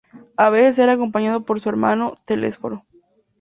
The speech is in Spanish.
A veces era acompañada por su hermano, Telesforo.